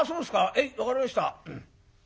へい分かりました。